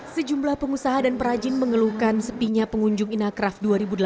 sejumlah pengusaha dan perajin mengeluhkan sepinya pengunjung inacraft dua ribu delapan belas